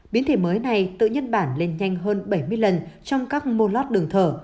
biến thể mới này tự nhân bản lên nhanh hơn bảy mươi lần trong các môn lót đường thở